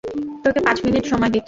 তোকে পাঁচ মিনিট সময় দিচ্ছি।